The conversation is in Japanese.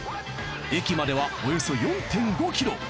駅まではおよそ４．５ｋｍ。